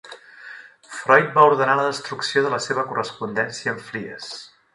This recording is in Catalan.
Freud va ordenar la destrucció de la seva correspondència amb Fliess.